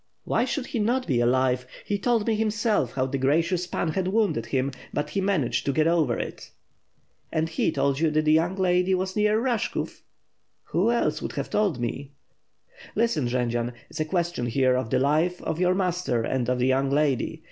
"Why should he not be alive? He told me himself how the gracious Pan had wounded him, but he managed to get over it. .." "And he told you the young lady was near Rashkov?" "Who else would have told me?" "Listen, Jendzian. It is a question here of the life of your master and of the young lady.